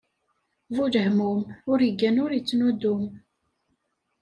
Bu lehmum, ur iggan, ur ittnuddum.